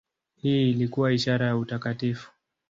Hii ilikuwa ishara ya utakatifu.